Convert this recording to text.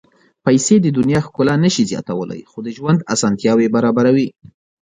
پېسې د دنیا ښکلا نه شي زیاتولی، خو د ژوند اسانتیاوې برابروي.